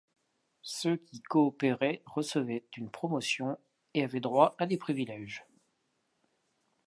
Ceux qui coopéraient recevaient une promotion et avaient droit à des privilèges.